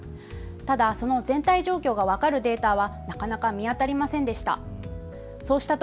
ただその全体状況が分かるデータはなかなか見当たりませんでした。